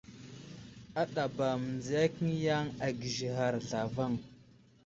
Aɗaba mənziyakaŋ yaŋ agisighar zlavaŋ.